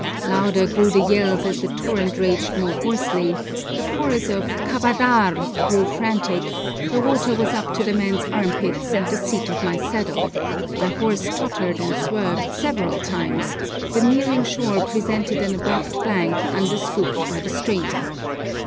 Louder grew the yells as the torrent raged more hoarsely, the chorus of kabadar grew frantic, the water was up to the men's armpits and the seat of my saddle, my horse tottered and swerved several times, the nearing shore presented an abrupt bank underscooped by the stream.